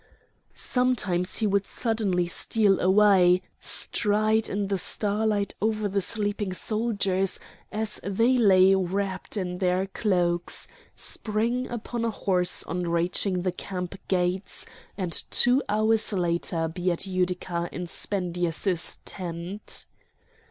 Sometimes he would suddenly steal away, stride in the starlight over the sleeping soldiers as they lay wrapped in their cloaks, spring upon a horse on reaching the camp gates, and two hours later be at Utica in Spendius's tent.